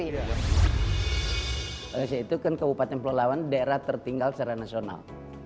indonesia itu kan kabupaten perlawanan daerah tertinggal secara nasional dua ribu enam